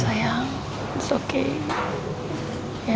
lagi rana apa mau kenapa